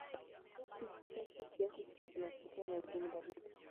Spishi chache kiasi tu zinatokea majini baridi.